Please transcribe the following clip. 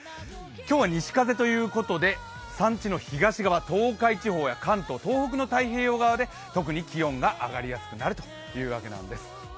今日は西風ということで山地の東側東海地方や関東、東北の太平洋側で特に気温が上がりやすくなるというわけなんです。